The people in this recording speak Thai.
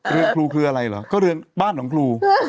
เรือนครูคืออะไรเหรอก็เรือนบ้านของครู